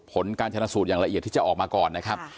ผลการชนะสูตรอย่างละเอียดที่จะออกมาก่อนนะครับ